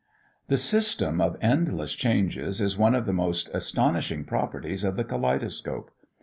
The system of endless changes is one of the most astonishing properties of the Kaleidoscope.